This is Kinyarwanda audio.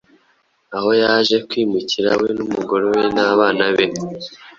aho yaje kwimukira we n’umugore n’abana be.